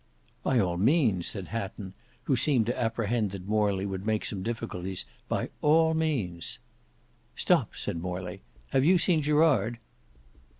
"By all means," said Hatton who seemed to apprehend that Morley would make some difficulties. "By all means." "Stop;" said Morley, "have you seen Gerard?"